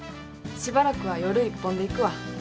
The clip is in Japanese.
しばらくは夜一本でいくわ。